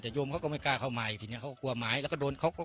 แต่โยมเขาก็ไม่กล้าเข้ามาอีกทีนี้เขาก็กลัวไม้แล้วก็โดนเขาก็